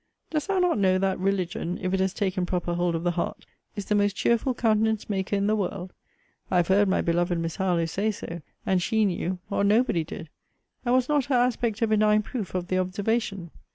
Dost thou not know, that religion, if it has taken proper hold of the heart, is the most cheerful countenance maker in the world? I have heard my beloved Miss Harlowe say so: and she knew, or nobody did. And was not her aspect a benign proof of the observation?